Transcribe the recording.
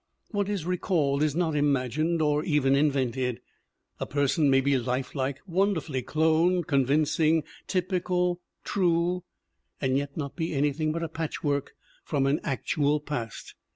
What is recalled is not imagined nor even invented. A person may be lifelike, wonderfully clone, convincing, typical, true, and yet not be any thing but a patchwork from an actual past.